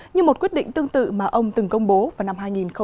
như một quyết định tương tự mà ông từng công bố vào năm hai nghìn một mươi